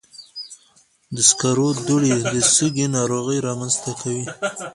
د سکرو دوړې د سږي ناروغۍ رامنځته کوي.